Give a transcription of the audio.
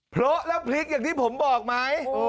เพราะแล้วพลิกอย่างที่ผมบอกไหม